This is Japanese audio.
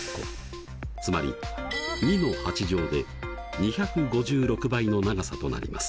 つまり２の８乗で２５６倍の長さとなります。